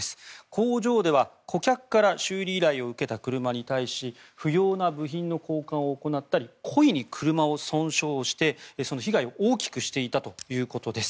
工場では顧客から修理依頼を受けた車に対し不要な部品の交換を行ったり故意に車を損傷して被害を大きくしていたということです。